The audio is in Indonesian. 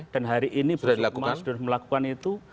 dan hari ini bu sukma sudah melakukan itu